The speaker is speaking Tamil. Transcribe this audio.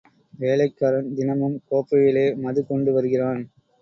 வேலைக்காரன் தினமும் கோப்பையிலே மது கொண்டு வருகிறான்.